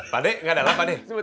pakde nggaknyalah pakai softly